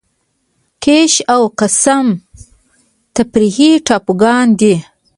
کیش او قشم تفریحي ټاپوګان دي.